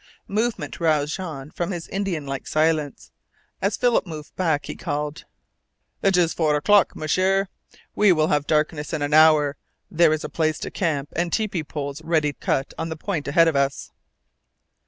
Movement roused Jean from his Indian like silence. As Philip moved back, he called: "It is four o'clock, M'sieur. We will have darkness in an hour. There is a place to camp and tepee poles ready cut on the point ahead of us."